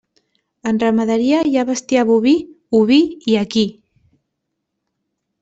En ramaderia, hi ha bestiar boví, oví i equí.